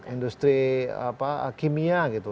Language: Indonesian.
industri kimia gitu